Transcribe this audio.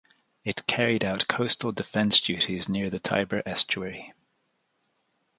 It carried out coastal defense duties near the Tiber estuary.